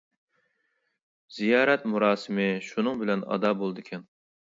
زىيارەت مۇراسىمى شۇنىڭ بىلەن ئادا بولىدىكەن.